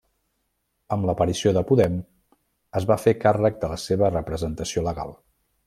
Amb l'aparició de Podem es va fer càrrec de la seva representació legal.